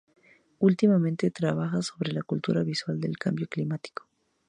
Últimamente, trabaja sobre la cultura visual del cambio climático.